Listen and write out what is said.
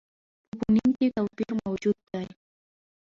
په فونېم کې توپیر موجود دی.